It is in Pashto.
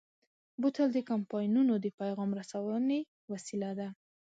بوتل د کمپاینونو د پیغام رسونې وسیله ده.